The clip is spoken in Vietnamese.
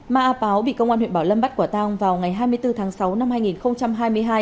ma a páo bị công an huyện bảo lâm bắt quả tang vào ngày hai mươi bốn tháng sáu năm hai nghìn hai mươi hai